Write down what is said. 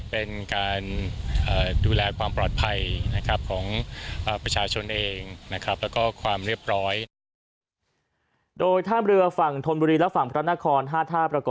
พระราชนำเนินเรียกพระนคร